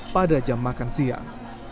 pada jam makan siang